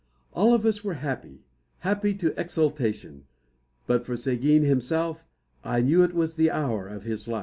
All of us were happy happy to exultation; but for Seguin himself, I knew it was the hour of his life.